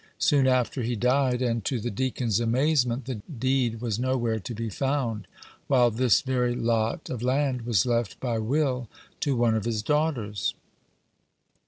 Soon after, he died; and, to the deacon's amazement, the deed was nowhere to be found, while this very lot of land was left by will to one of his daughters.